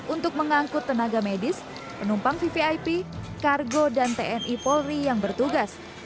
untuk mengangkut tenaga medis penumpang vvip kargo dan tni polri yang bertugas